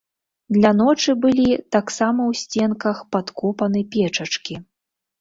Для ночы былі, таксама ў сценках, падкопаны печачкі.